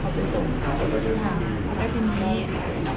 แล้วมันจากที่นี่ก็ต้องให้พี่เขาไปส่ง